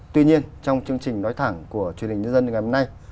tuy nhiên trong chương trình nói thẳng của truyền hình nhân dân ngày hôm nay